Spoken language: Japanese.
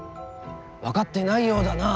分かってないようだなあ。